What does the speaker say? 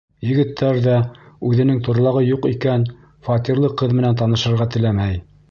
Егеттәр ҙә, үҙенең торлағы юҡ икән, фатирлы ҡыҙ менән танышырға теләмәй.